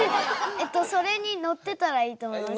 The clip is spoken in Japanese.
えっとそれに乗ってたらいいと思います。